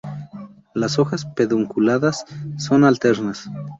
Las hojas pedunculadas son alternas.